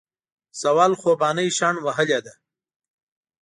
زول خوبانۍ شڼ وهلي دي